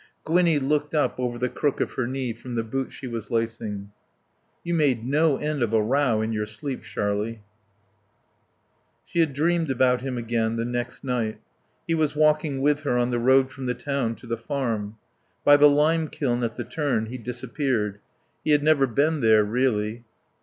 Gwinnie looked up over the crook of her knee from the boot she was lacing. "You made no end of a row in your sleep, Sharlie." She had dreamed about him again, the next night. He was walking with her on the road from the town to the Farm. By the lime kiln at the turn he disappeared. He had never been there, really.